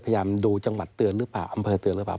ดูจังหวัดเตือนหรือเปล่าอำเภอเตือนหรือเปล่า